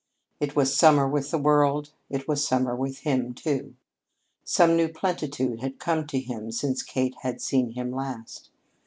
If it was summer with the world, it was summer with him, too. Some new plenitude had come to him since Kate had seen him last.